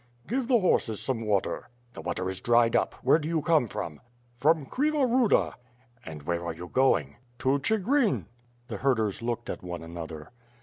"Give the horses some water." "The water is dried up. Where do you come from?" "From Kriva ruda." "And where are you going?" "To Chigrin." The herders looked at one another.